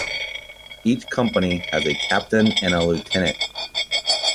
Each company has a Captain and a Lieutenant.